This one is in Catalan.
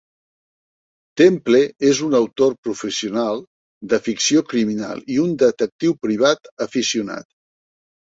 Temple és un autor professional de ficció criminal i un detectiu privat aficionat.